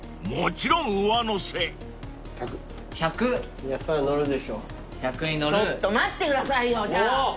ちょっと待ってくださいよじゃあ！